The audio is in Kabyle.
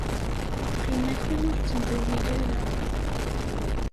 Qqim akken ur ttembiwil ara!